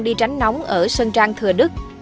đi tránh nóng ở sân trang thừa đức